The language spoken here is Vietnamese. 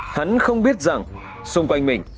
hắn không biết rằng xung quanh mình